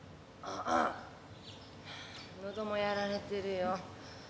ああのどもやられてるよ。